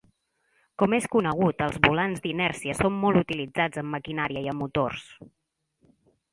Com és conegut els volants d'inèrcia són molt utilitzats en maquinària i en motors.